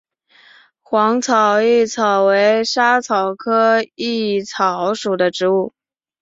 黄绿薹草为莎草科薹草属的植物。